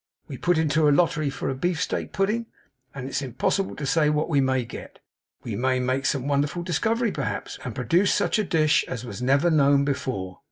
We put into a lottery for a beefsteak pudding, and it is impossible to say what we may get. We may make some wonderful discovery, perhaps, and produce such a dish as never was known before.